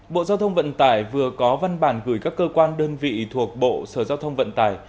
bộ giao thông vận tải vừa có văn bản gửi các cơ quan đơn vị thuộc bộ sở giao thông vận tải